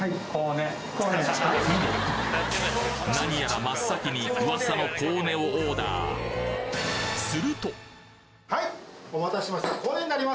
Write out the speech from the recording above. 何やら真っ先に噂のコウネをオーダーはいお待たせしました。